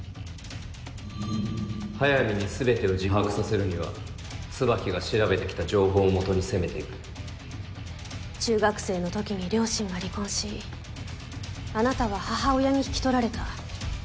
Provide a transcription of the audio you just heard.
速水にすべてを自白させるには椿が調べてきた情報をもとに攻めていく中学生のときに両親が離婚しあなたは母親に引き取られた。